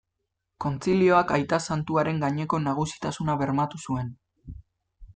Kontzilioak aita santuaren gaineko nagusitasuna bermatu zuen.